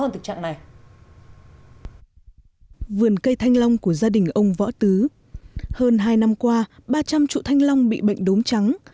ba trăm linh trụ thanh long bị bệnh đốm trắng